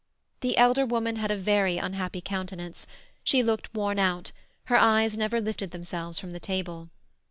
The elder woman had a very unhappy countenance; she looked worn out; her eyes never lifted themselves from the table.